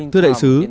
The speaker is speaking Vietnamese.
thưa đại sứ